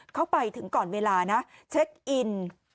เข้าไปถึงก่อนเวลานะเช็คอิน